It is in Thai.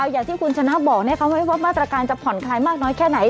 อย่างที่คุณชนะบอกมาตรการจะผ่อนคลายมากน้อยแค่ไหน